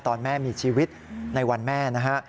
ตอนแม่มีชีวิตในวันแม่นะฮะ